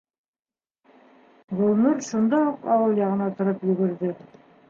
Гөлнур шунда уҡ ауыл яғына тороп йүгерҙе.